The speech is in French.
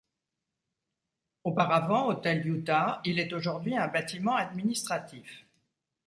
Auparavant 'Hotel Utah', il est aujourd’hui un bâtiment administratif.